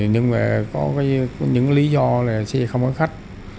nhưng mà có những lý do là xe không có khách